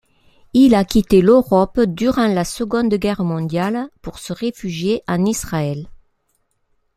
Il a quitté l'Europe durant la Seconde Guerre mondiale pour se réfugier en Israël.